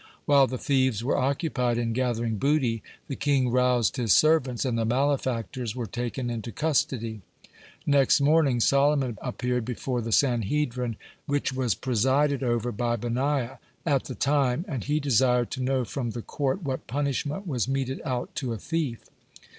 While the thieves were occupied in gathering booty, the king roused his servants, and the malefactors were taken into custody. Next morning Solomon appeared before the Sanhedrin, which was presided over by Benaiah (95) at the time, and he desired to know from the court what punishment was meted out to a thief.